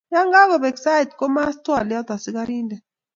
Yakakobek sait kumas twoliat askarident.